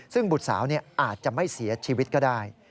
ซึ่งบุตรสาวอาจจะไม่เสียชีวิตก็ได้